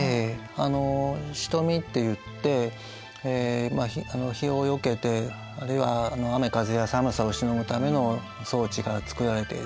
あの蔀っていって日をよけてあるいは雨風や寒さをしのぐための装置が作られている。